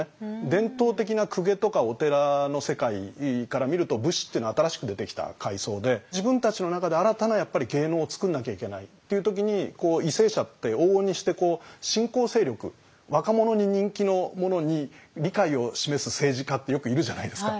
伝統的な公家とかお寺の世界から見ると武士っていうのは新しく出てきた階層で自分たちの中で新たなやっぱり芸能を作んなきゃいけないっていう時に為政者って往々にして新興勢力若者に人気のものに理解を示す政治家ってよくいるじゃないですか。